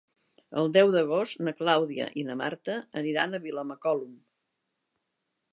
El deu d'agost na Clàudia i na Marta aniran a Vilamacolum.